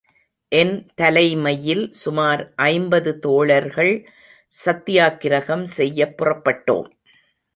என் தலைமையில் சுமார் ஐம்பது தோழர்கள் சத்யாக்கிரகம் செய்யப் புறப்பட்டோம்.